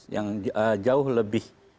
yang jauh lebih